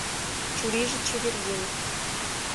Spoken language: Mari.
Чурийже чеверген.